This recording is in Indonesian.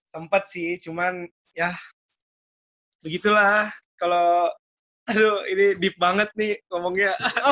sempat sih cuman ya begitulah kalau aduh ini deep banget nih ngomongnya